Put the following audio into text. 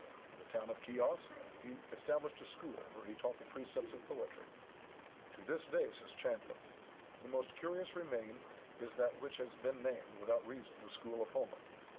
In the town of Chios he established a school where he taught the precepts of poetry. "To this day," says Chandler, "the most curious remaining is that which has been named, without reason, the School of Homer.